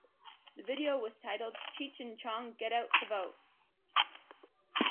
The video was titled "Cheech and Chong Get Out the Vote!".